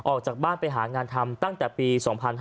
ออกจากบ้านไปหางานทำตั้งแต่ปี๒๕๕๙